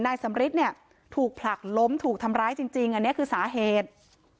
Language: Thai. สำริทเนี่ยถูกผลักล้มถูกทำร้ายจริงอันนี้คือสาเหตุ